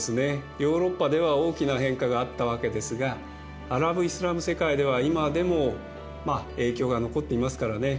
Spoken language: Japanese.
ヨーロッパでは大きな変化があったわけですがアラブ・イスラム世界では今でもまあ影響が残っていますからね。